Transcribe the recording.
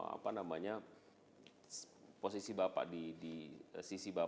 apa namanya posisi bapak di sisi bapak